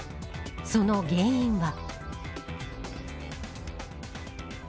その原因は。